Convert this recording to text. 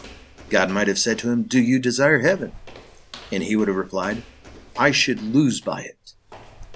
God might have said to him: "Do you desire heaven?" and he would have replied: "I should lose by it."